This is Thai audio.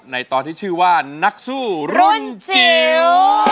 ในตอนที่ชื่อว่านักสู้รุ่นจิ๋ว